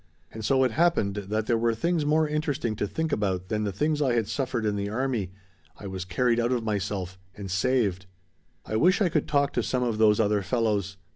And so it happened that there were things more interesting to think about than the things I had suffered in the army; I was carried out of myself and saved. "I wish I could talk to some of those other fellows!